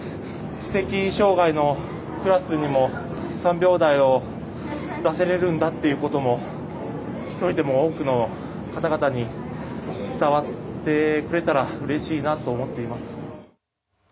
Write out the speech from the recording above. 知的障がいのクラスにも３秒台を出せれるんだということも１人でも多くの方々に伝わってくれたらうれしいなと思っています。